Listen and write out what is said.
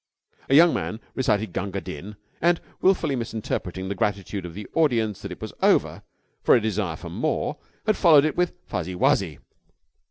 A young man recited 'Gunga Din' and, wilfully misinterpreting the gratitude of the audience that it was over for a desire for more, had followed it with 'Fuzzy Wuzzy.'